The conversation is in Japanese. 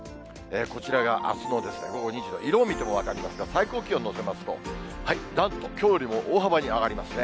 こちらがあすの午後２時の、色を見ても分かりますが、最高気温載せますと、なんときょうよりも大幅に上がりますね。